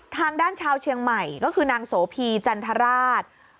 ทางด้านชาวเชียงใหม่ก็คือนางโสพีจันทราช